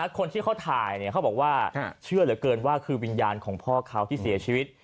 คนที่เขาถ่ายเขาบอกว่าเชื่อเหลือเกินว่าคือวิญญาณของพ่อเขาที่เสียชีวิต